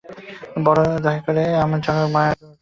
বড়ো দয়া করে কণ্ঠে আমার জড়াও মায়ার ডোর!